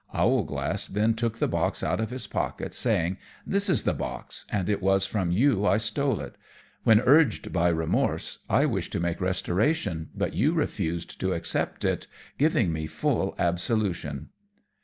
Owlglass then took the box out of his pocket, saying, "This is the box, and it was from you I stole it; when urged by remorse I wished to make restoration, but you refused to accept it, giving me full absolution."